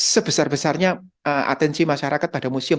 sebesar besarnya atensi masyarakat pada museum